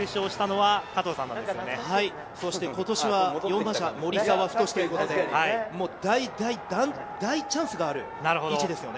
はい、そして今年は守澤太志ということで、大チャンスがある位置ですよね。